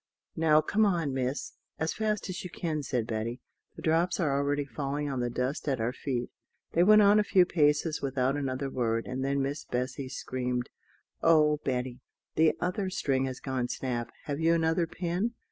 "Now come on, Miss, as fast as you can," said Betty; "the drops are already falling on the dust at our feet." They went on a few paces without another word, and then Miss Bessy screamed: "Oh, Betty, the other string has gone snap: have you another pin?"